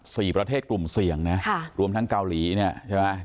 ประเทศกลุ่มเสี่ยงนะค่ะรวมทั้งเกาหลีเนี่ยใช่ไหม